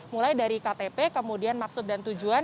mulai dari ktp kemudian maksud dan tujuan